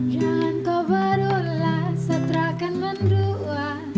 jangan kau berulang sa terakan mendua